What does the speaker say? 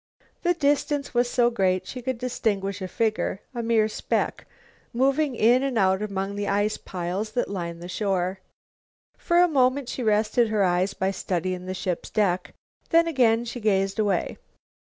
The distance was so great she could distinguish a figure, a mere speck, moving in and out among the ice piles that lined the shore. For a moment she rested her eyes by studying the ship's deck. Then again she gazed away.